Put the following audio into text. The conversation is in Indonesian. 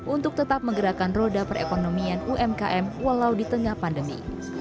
untuk tetap menggerakkan roda perekonomian umkm walau di tengah pandemi